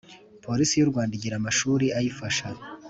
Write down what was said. Polisi y u rwanda igira amashuri ayifasha